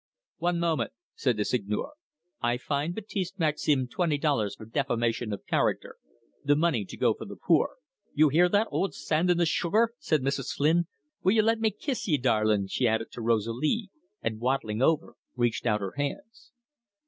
"One moment," said the Seigneur. "I fine Ba'tiste Maxime twenty dollars for defamation of character. The money to go for the poor." "You hear that, ould sand in the sugar!" said Mrs. Flynn. "Will you let me kiss ye, darlin'?" she added to Rosalie, and, waddling over, reached out her hands.